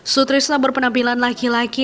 sutrisna berpenampilan laki laki